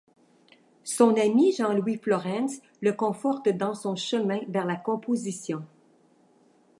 Son ami Jean-Louis Florentz le conforte dans son chemin vers la composition.